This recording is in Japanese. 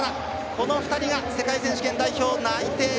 この２人が世界選手権代表内定。